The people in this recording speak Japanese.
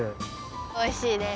おいしいです。